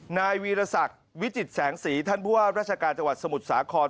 นายวีรศักดิ์วิจิตแสงสีท่านผู้ว่าราชการจังหวัดสมุทรสาคร